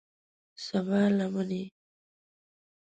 د سبا لمنې